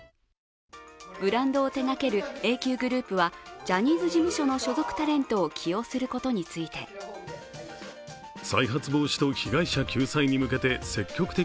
ブランドを手がけるＡＱグループはジャニーズ事務所の所属タレントを起用することについてとコメントしています。